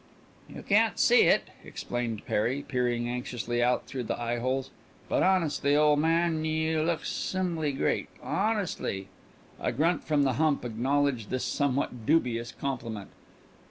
"You can't see it," explained Perry, peering anxiously out through the eyeholes, "but honestly, ole man, you look sim'ly great! Honestly!" A grunt from the hump acknowledged this somewhat dubious compliment.